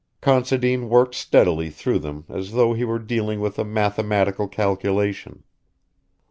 Considine worked steadily through them as though he were dealing with a mathematical calculation.